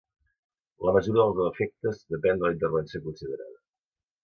La mesura dels efectes depèn de la intervenció considerada.